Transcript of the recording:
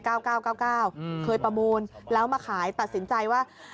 คือประมูลแล้วมาขายตัดสินใจว่า